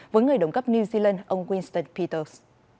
với người đồng cấp new zealand ông winston peters